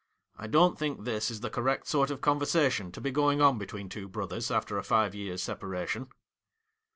' I don't think this is the correct sort of conversation to be going on between two brothers after a five years' separation.'